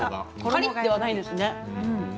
カリっとではないんですね。